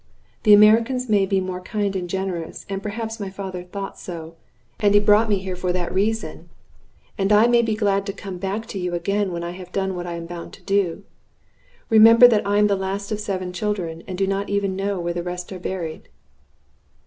The Americans may be more kind and generous, and perhaps my father thought so, and brought me here for that reason. And I may be glad to come back to you again when I have done what I am bound to do. Remember that I am the last of seven children, and do not even know where the rest are buried."